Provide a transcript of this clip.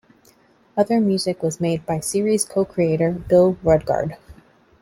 Other music was made by the series' co-creator Bill Rudgard.